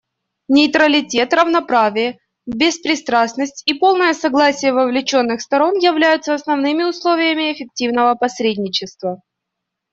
Нейтралитет, равноправие, беспристрастность и полное согласие вовлеченных сторон являются основными условиями эффективного посредничества.